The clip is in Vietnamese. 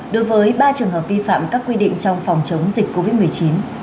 đối với ba trường hợp vi phạm các quy định trong phòng chống dịch covid một mươi chín